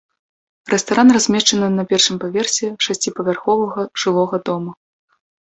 Рэстаран размешчаны на першым паверсе шасціпавярховага жылога дома.